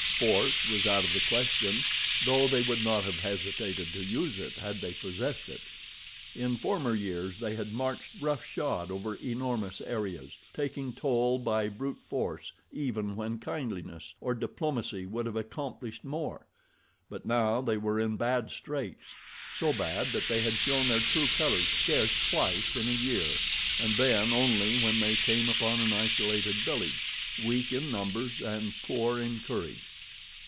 Force was out of the question, though they would not have hesitated to use it had they possessed it. In former years they had marched rough shod over enormous areas, taking toll by brute force even when kindliness or diplomacy would have accomplished more; but now they were in bad straits—so bad that they had shown their true colors scarce twice in a year and then only when they came upon an isolated village, weak in numbers and poor in courage.